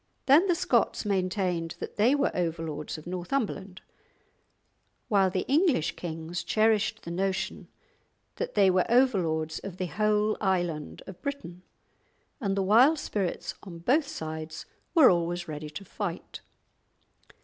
Then the Scots maintained that they were overlords of Northumberland, while the English kings cherished the notion that they were overlords of the whole island of Britain, and the wild spirits on both sides were always ready to fight.